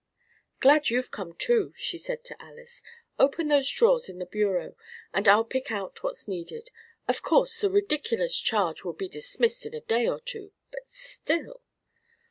"Glad you've come too," she said to Alys. "Open those drawers in the bureau, and I'll pick out what's needed. Of course the ridiculous charge will be dismissed in a day or two but still!